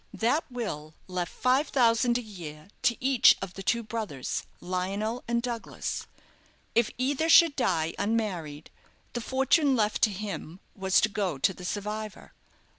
"That will left five thousand a year to each of the two brothers, Lionel and Douglas. If either should die unmarried, the fortune left to him was to go to the survivor.